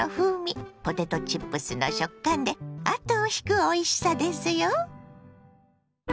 ポテトチップスの食感で後を引くおいしさですよ。